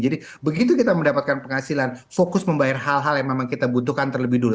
jadi begitu kita mendapatkan penghasilan fokus membayar hal hal yang memang kita butuhkan terlebih dulu